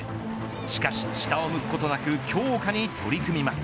しかし下を向くことなく強化に取り組みます。